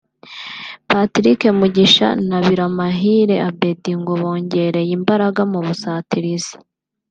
Patrick Mugisha na Biramahire Abeddy ngo bongere imbaraga mu busatirizi